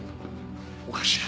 おかしい。